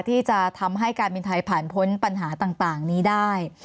ที่จะทำให้การบินไทยผ่านพ้นปัญหาต่างนี้ได้